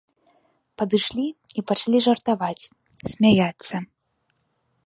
Падышлі і пачалі жартаваць, смяяцца.